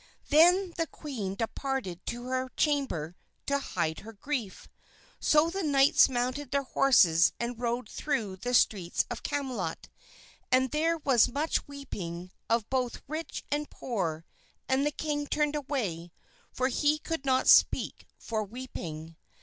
Then the queen departed to her chamber to hide her grief. So the knights mounted their horses and rode through the streets of Camelot, and there was much weeping of both rich and poor; and the king turned away, for he could not speak for weeping.